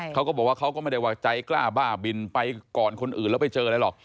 เขาก็บอกว่าเขาก็ไม่ได้ว่าใจกล้าบ้าบินไปก่อนคนอื่นแล้วไปเจออะไรหรอก